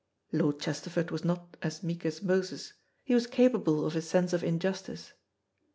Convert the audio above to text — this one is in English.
Lord Chesterford was not as meek as Moses. He was capable of a sense of injustice.